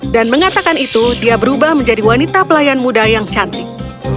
dan mengatakan itu dia berubah menjadi wanita pelayan muda yang cantik